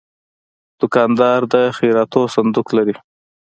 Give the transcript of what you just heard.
دوکاندار د خیراتو صندوق لري.